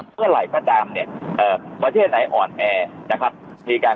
เมื่อไหร่ก็ตามเนี่ยประเทศไหนอ่อนแอนะครับมีการ